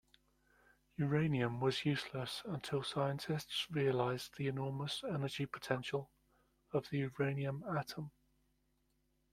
Uranium was useless until scientists realized the enormous energy potential of the uranium atom.